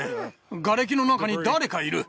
がれきの中に誰かいる。